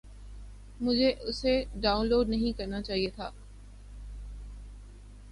مجھے اسے download ہی نہیں کرنا چاہیے تھا